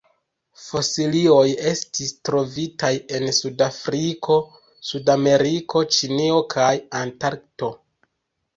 Fosilioj estis trovitaj en Sud-Afriko, Sudameriko, Ĉinio kaj Antarkto.